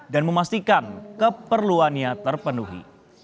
dan memastikan keperluannya terpenuhi